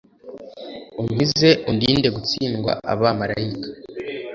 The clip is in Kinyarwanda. unkize undinde gutsindwa Abamarayika